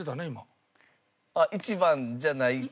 １番じゃない？